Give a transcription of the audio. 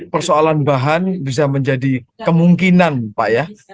persoalan bahan bisa menjadi kemungkinan pak ya